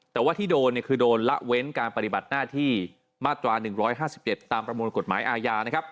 แต่ว่าที่โดนคือโดนละเว้นการปฏิบัติหน้าที่มาตรา๑๕๗ตามประมวลกฎหมายอาญานะครับ